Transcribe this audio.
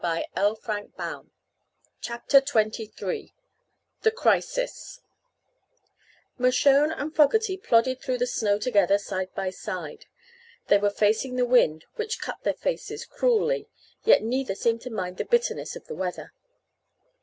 The end was not yet. CHAPTER XXIII THE CRISIS Mershone and Fogerty plodded through the snow together, side by side. They were facing the wind, which cut their faces cruelly, yet neither seemed to mind the bitterness of the weather.